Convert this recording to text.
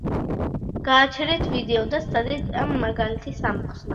გააჩერეთ ვიდეო და სცადეთ ამ მაგალითის ამოხსნა.